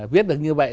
viết được như vậy